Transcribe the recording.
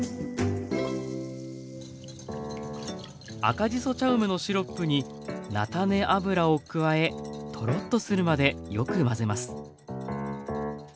赤じそ茶梅のシロップになたね油を加えトロッとするまでよく混ぜます。